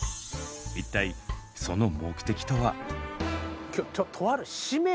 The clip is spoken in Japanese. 一体その目的とは？